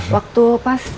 waktu pas kembali